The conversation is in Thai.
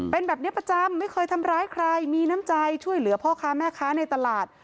เป็นแบบนี้ประจำไม่เคยทำร้ายใครมีน้ำใจช่วยเหลือพ่อค้าแม่ค้าในตลาด